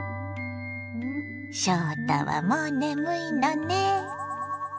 翔太はもう眠いのね。